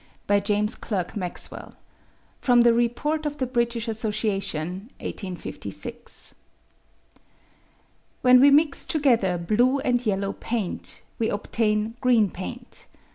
James Clerk Maxwell [From the Report of the British Association, 1856.] When we mix together blue and yellow paint, we obtain green paint.